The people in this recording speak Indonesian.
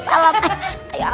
ya allah ustadzha